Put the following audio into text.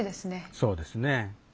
そうですね。